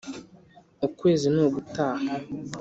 Ukwezi ni ugutaha